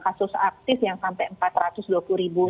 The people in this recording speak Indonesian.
kasus aktif yang sampai empat ratus dua puluh ribu